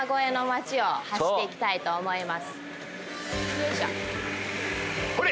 よいしょ。